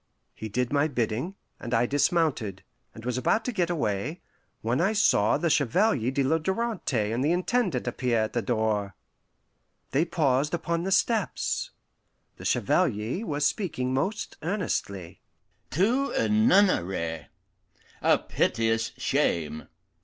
He did my bidding, and I dismounted, and was about to get away, when I saw the Chevalier de la Darante and the Intendant appear at the door. They paused upon the steps. The Chevalier was speaking most earnestly: "To a nunnery a piteous shame!